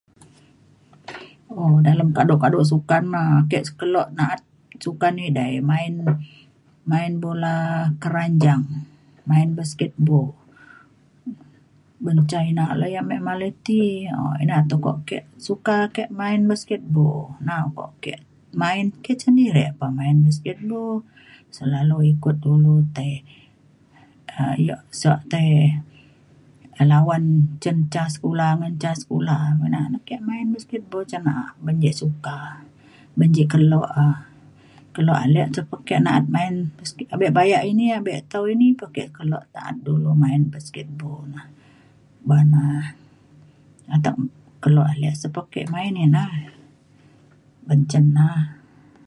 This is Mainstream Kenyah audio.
um dalem kaduk kaduk sukan ne ake keluk naat sukan edai main main bola keranjang main basketball mencai nak li amik malai ti ina tekuk ik suka kek main basketball na ake main ke cen ee rek main basketball selalu ikut dulu tai um yok sek tai lawan cen ca sekula ngan ca sekula ina nekek main basketball cen naak ben jek suka ben jek kelo' um kelo' alik te pe aki naat main abek baya' ini abik tau ini pe ake kelok naat du du maan basketball ban ee keluk ale pe sik aki main ini ina ben cen na'a.